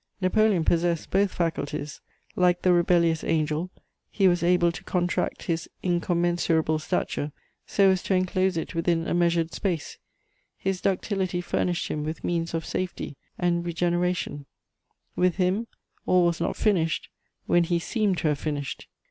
Napoleon possessed both faculties: like the rebellious angel, he was able to contract his incommensurable stature, so as to enclose it within a measured space; his ductility furnished him with means of safety and regeneration: with him, all was not finished when he seemed to have finished.